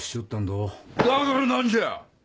だから何じゃ！